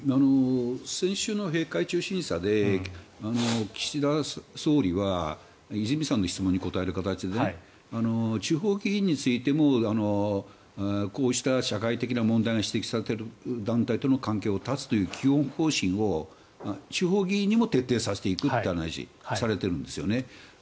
先週の閉会中審査で岸田総理は泉さんの質問に答える形で地方議員についてもこうした社会的な問題が指摘されている団体との関係を断つという基本方針を地方議員にも徹底させていくという話をされているんですね。